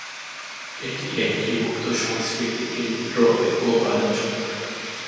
এটি একটি মুক্ত সাংস্কৃতিক কেন্দ্র ও বাজার চত্বর।